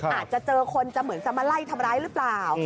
อาจจะเจอคนจะเหมือนจะมาไล่ทำร้ายหรือเปล่า